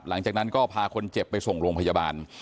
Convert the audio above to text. หลังจากนั้นก็พาคนเจ็บไปส่งโรงพยาบาล